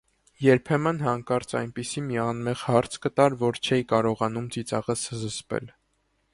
Երբեմն հանկարծ այնպիսի մի անմեղ հարց կտար, որ չէի կարողանում ծիծաղս զսպել: